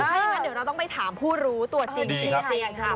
ถ้าอย่างนั้นเดี๋ยวเราต้องไปถามผู้รู้ตัวจริงจริงค่ะ